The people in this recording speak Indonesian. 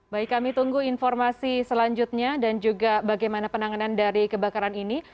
baik kami tunggu informasi selanjutnya dan juga bagaimana penanganan dari kebakaran ini